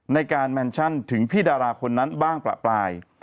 ในการแมนชั่นถึงพี่ดาราคนนั้นบ้างประปราย